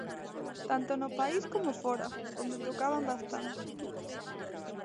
Tanto no país como fóra, onde tocaban bastante.